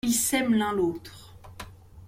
Ils s’aiment l’un l’autre.